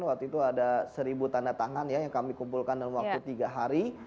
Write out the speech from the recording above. waktu itu ada seribu tanda tangan ya yang kami kumpulkan dalam waktu tiga hari